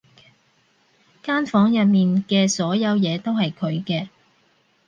間房入面嘅所有嘢都係佢嘅